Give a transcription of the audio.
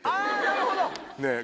なるほど。